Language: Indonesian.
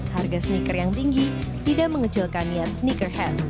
harga sneaker yang tinggi tidak mengecilkan niat sneaker head